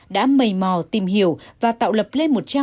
đã mầy mò tìm hiểu và tạo lập lên một trang